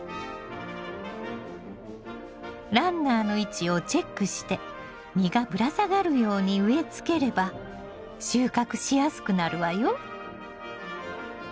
ランナーの位置をチェックして実がぶら下がるように植え付ければ収穫しやすくなるわよ。